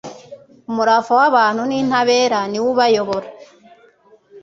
Umurava w’abantu b’intabera ni wo ubayobora